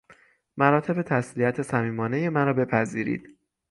مراتب تسلیت صمیمانهی مرا بپذیرید.